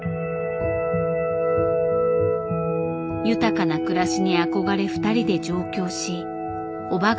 豊かな暮らしに憧れ二人で上京し叔母が